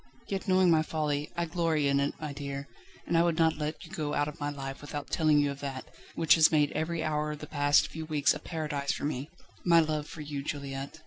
Yet, knowing my folly, I glory in it, my dear, and I would not let you go out of my life without telling you of that, which has made every hour of the past few weeks a paradise for me my love for you, Juliette."